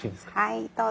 はいどうぞ。